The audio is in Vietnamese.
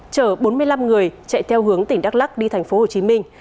chở bốn mươi năm người chạy theo hướng tỉnh đắk lắc đi thành phố hồ chí minh